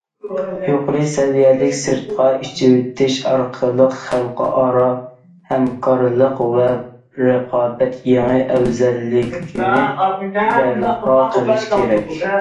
يۇقىرى سەۋىيەلىك سىرتقا ئېچىۋېتىش ئارقىلىق خەلقئارا ھەمكارلىق ۋە رىقابەت يېڭى ئەۋزەللىكىنى بەرپا قىلىش كېرەك.